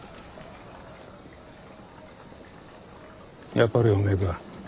やっぱりおめえか。